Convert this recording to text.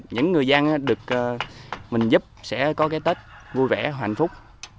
những người dân được mình giúp sẽ có cái tết vui vẻ hạnh phúc